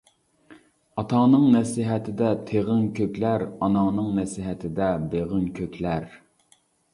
ئاتاڭنىڭ نەسىھەتىدە تىغىڭ كۆكلەر، ئاناڭنىڭ نەسىھەتىدە بېغىڭ كۆكلەر.